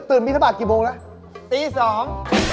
ตื่นนั้น